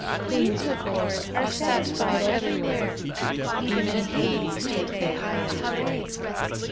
Queens, of course, are satisfied everywhere : Even in Hades take they highest rank.